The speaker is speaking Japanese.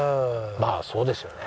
まあそうですよね。